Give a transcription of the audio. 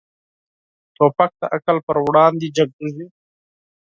توپک د عقل پر وړاندې جنګيږي.